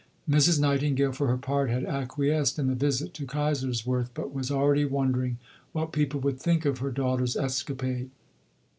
Mrs. Nightingale, for her part, had acquiesced in the visit to Kaiserswerth, but was already wondering what people would think of her daughter's escapade.